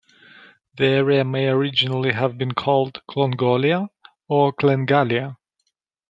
The area may originally have been called "Clongoliagh" or "Glengalliagh".